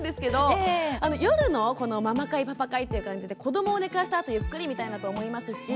夜のママ会、パパ会という感じで子どもを寝かせたあとゆっくり見たいなと思います。